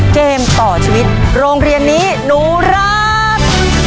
เกมต่อชีวิตโรงเรียนนี้หนูรัก